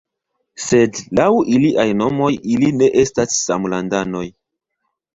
Sed laŭ iliaj nomoj ili ne estas samlandanoj!